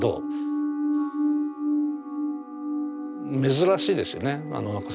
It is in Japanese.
珍しいですよね。